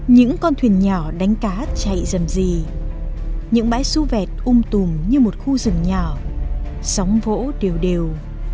những con thuyền nhỏ đánh cá chạy dầm gì những bãi su vẹt um tùm như một khu rừng nhỏ sóng vỗ đều đều